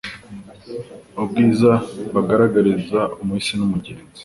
Ubwiza bagaragariza umuhisi n'umugenzi